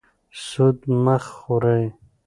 سود مه خورئ.